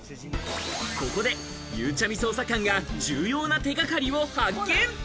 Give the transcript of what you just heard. ここで、ゆうちゃみ捜査官が重要な手掛かりを発見。